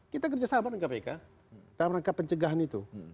kita kerja sama dengan kpk dalam rangka pencegahan itu